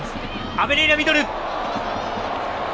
アベリェイラのミドル！